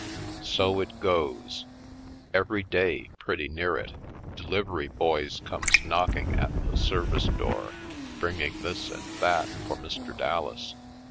So it goes. Every day, pretty near it, delivery boys comes knocking at the service door bringing this and that for Mr. Dallas.